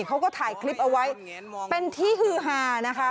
เขาก็ถ่ายคลิปเอาไว้เป็นที่ฮือฮานะคะ